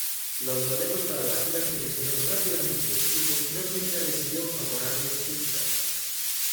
Los boletos para la gira se vendieron rápidamente y posteriormente recibió favorables críticas.